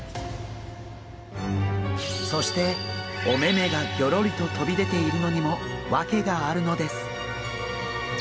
そしてお目目がぎょろりと飛び出ているのにも訳があるのです。